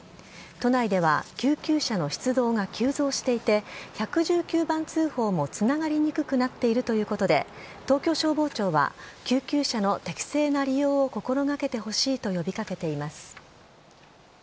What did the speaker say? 都内では救急車の出動が急増していて１１９番通報もつながりにくくなっているということで東京消防庁は、救急車の適正な利用を心掛けてほしいと呼び掛けています。